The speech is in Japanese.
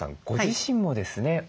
ご自身もですね